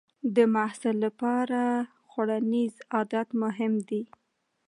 د محصل لپاره خوړنیز عادت مهم دی.